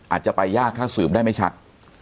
อาจจะไปยากถ้าสืบได้ไม่ชัด